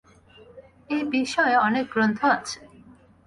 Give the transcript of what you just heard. এই বিষয়ে অনেক গ্রন্থ আছে।